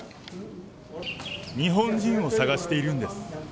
日本人を捜しているんです。